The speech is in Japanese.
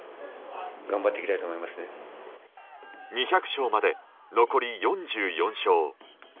２００勝まで、残り４４勝。